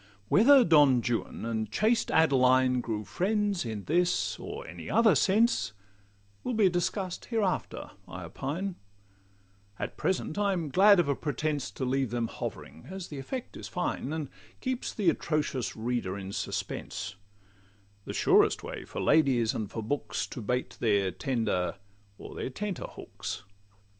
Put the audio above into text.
Whether Don Juan and chaste Adeline Grew friends in this or any other sense, Will be discuss'd hereafter, I opine: At present I am glad of a pretence To leave them hovering, as the effect is fine, And keeps the atrocious reader in suspense; The surest way for ladies and for books To bait their tender, or their tenter, hooks.